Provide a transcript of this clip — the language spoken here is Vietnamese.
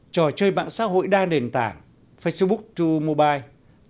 trò chơi mạng xã hội đa nền tảng facebook true mobile